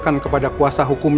aku harus berhasil